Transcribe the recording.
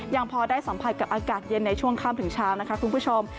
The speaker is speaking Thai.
ยังพอได้สัมผัสกับอากาศเย็นในช่วงข้ามถึงเช้านะคะคุณผู้ชม